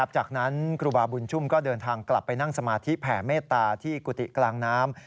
จากนั้นครูบาบุญชุมก็เดินทางกลับไปนั่งสมาธิแผ่เมตตาที่กุฏิกลางน้ำ